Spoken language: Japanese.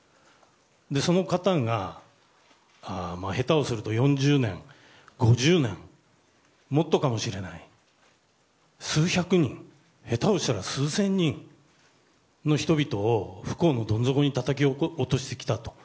その方が下手をすると４０年、５０年もっとかもしれない数百人下手をしたら数千人の人々を不幸のどん底にたたき落としてきたと。